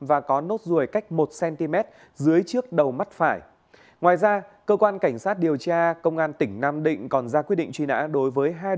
và các bạn đang theo dõi